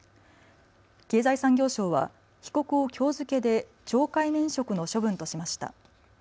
経済産業省は被告をきょう付けで懲戒免職の処分としました。